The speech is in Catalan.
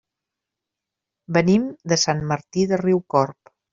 Venim de Sant Martí de Riucorb.